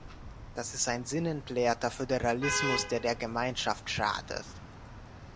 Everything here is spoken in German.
Das ist ein sinnentleerter Förderalismus, der der Gemeinsamkeit schadet.